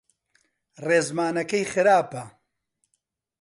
ڕێزمانەکەی خراپە.